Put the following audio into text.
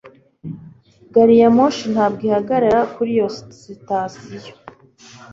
Gariyamoshi ntabwo ihagarara kuri iyo sitasiyo.